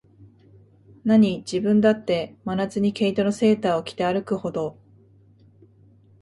なに、自分だって、真夏に毛糸のセーターを着て歩くほど、